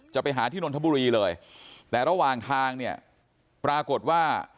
จะไปหาที่นนทบุรีเลยแต่ระหว่างทางเนี่ยปรากฏว่า